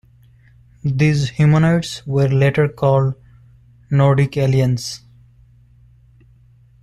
These humanoids were later called Nordic aliens.